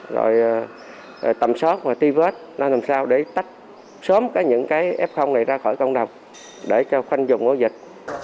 rồi tầm sót và ti vết làm sao để tách sớm cả những cái f này ra khỏi công đồng để cho khăn dùng của dịch